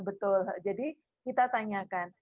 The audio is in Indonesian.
betul jadi kita tanyakan